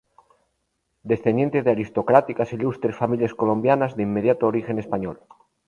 Descendiente de aristocráticas e ilustres familias colombianas, de inmediato origen español.